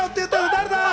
誰だよ？